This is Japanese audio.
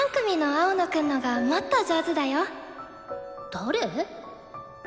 誰？